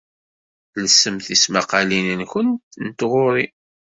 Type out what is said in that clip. Lsemt tismaqqalin-nwent n tɣuri.